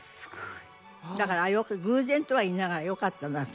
だから偶然とは言いながらよかったなと。